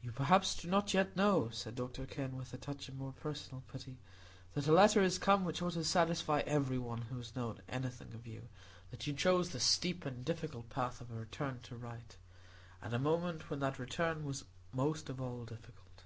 "You perhaps do not yet know," said Dr Kenn, with a touch of more personal pity, "that a letter is come which ought to satisfy every one who has known anything of you, that you chose the steep and difficult path of a return to the right, at the moment when that return was most of all difficult."